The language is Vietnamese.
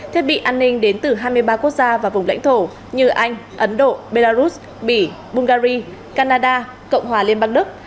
thiết bị an ninh đến từ hai mươi ba quốc gia và vùng lãnh thổ như anh ấn độ belarus bỉ bulgari canada cộng hòa liên bang đức